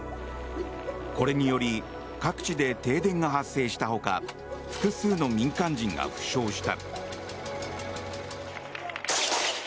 これにより各地で停電が発生した他複数の民間人が負傷した。